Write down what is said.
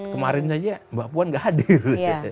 kemarin saja mbak puan gak hadir